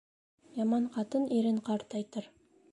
Яман ҡатын ирен ҡартайтыр